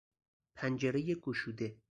پنجرهی گشوده